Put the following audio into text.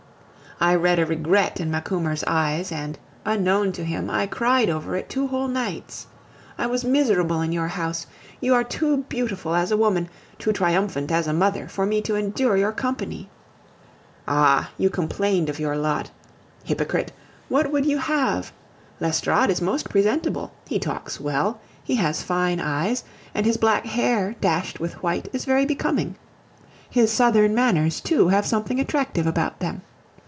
I read a regret in Macumer's eyes, and, unknown to him, I cried over it two whole nights. I was miserable in your house. You are too beautiful as a woman, too triumphant as a mother, for me to endure your company. Ah! you complained of your lot. Hypocrite! What would you have? L'Estorade is most presentable; he talks well; he has fine eyes; and his black hair, dashed with white, is very becoming; his southern manners, too, have something attractive about them.